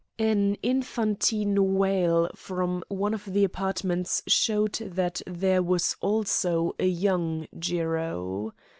An infantine wail from one of the apartments showed that there was also a young Jiro.